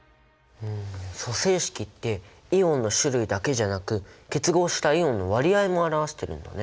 組成式ってイオンの種類だけじゃなく結合したイオンの割合も表してるんだね。